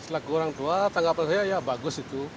setelah guru orang tua tanggapnya ya bagus itu